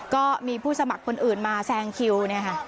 ก็มีผู้สมัครคนอื่นมาแซงคิวเนี่ยค่ะ